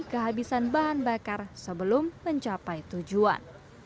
kehabisan bahan bakar sebelum mencapai tujuan